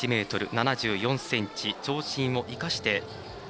１ｍ７４ｃｍの長身を生かして。